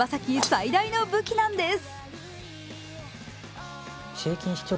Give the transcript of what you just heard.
最大の武器なんです。